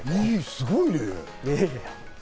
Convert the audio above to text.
すごいね。